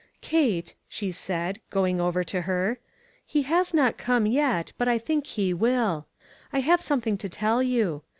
"Kate," she said, going over to her, "he has not come j et, but I think he will. I have something to tell you.